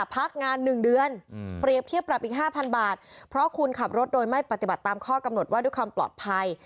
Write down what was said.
พักงาน๑เดือนเปรียบเทียบปรับอีก๕๐๐บาทเพราะคุณขับรถโดยไม่ปฏิบัติตามข้อกำหนดว่าด้วยความปลอดภัย